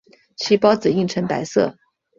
其孢子印呈白色。